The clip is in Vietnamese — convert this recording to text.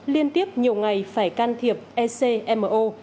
liên tiếp nhiều ngày phải can thiệp ecmo